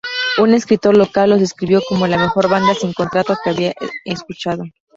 Un escritor local los describió como la mejor banda sin contrato que había escuchado.